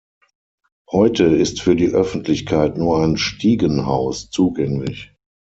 Heute ist für die Öffentlichkeit nur ein Stiegenhaus zugänglich.